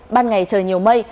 ban ngày trời nhiều mây